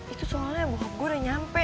itu soalnya bokap gue udah nyampe